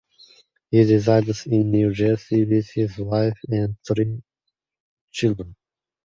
He resides in New Jersey with his wife and three children.